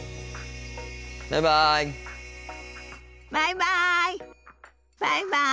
バイバイ。